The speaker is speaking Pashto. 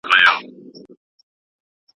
که حکومت وغواړي نو مالیه اخیستلای سي.